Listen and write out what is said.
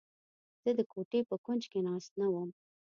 زه د کوټې په کونج کې ناست نه وم.